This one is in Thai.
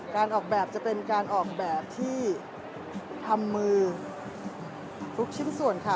การออกแบบจะเป็นการออกแบบที่ทำมือทุกชิ้นส่วนค่ะ